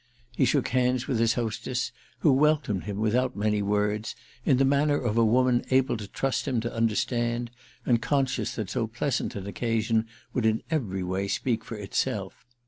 He shook hands with his hostess, who welcomed him without many words, in the manner of a woman able to trust him to understand and conscious that so pleasant an occasion would in every way speak for itself.